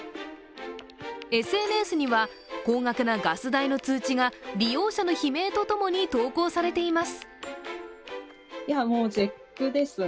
ＳＮＳには高額なガス代の通知が利用者の悲鳴とともに投稿されています。